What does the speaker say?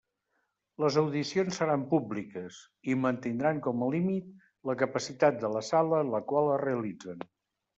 Les audicions seran públiques, i mantindran com a límit la capacitat de la sala en la qual es realitzen.